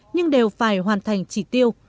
nhưng đều phải hoàn thành trị tiêu